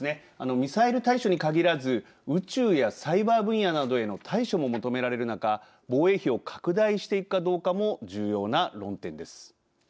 ミサイル対処に限らず宇宙やサイバー分野などへの対処も求められる中防衛費を拡大していくかどうかも重要な論点です。